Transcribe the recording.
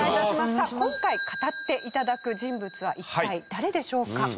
今回語っていただく人物は一体誰でしょうか？